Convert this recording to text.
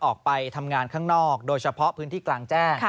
ออกไปทำงานข้างนอกโดยเฉพาะพื้นที่กลางแจ้ง